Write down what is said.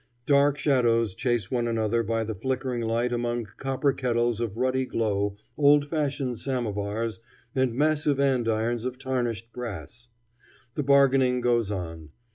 Dark shadows chase one another by the flickering light among copper kettles of ruddy glow, old fashioned samovars, and massive andirons of tarnished brass. The bargaining goes on.